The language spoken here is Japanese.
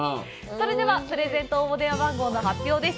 それではプレゼント応募電話番号の発表です。